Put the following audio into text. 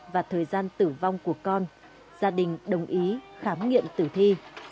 và thời gian tử vong của con gia đình đồng ý khám nghiệm tử thi